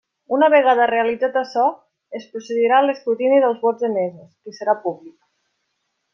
Una vegada realitzat açò, es procedirà a l'escrutini dels vots emesos, que serà públic.